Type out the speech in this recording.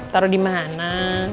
taruh di mana